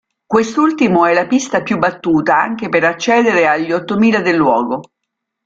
Quest'ultimo è la pista più battuta anche per accedere agli ottomila del luogo.